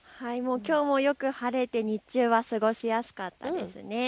きょうもよく晴れて日中は過ごしやすかったですね。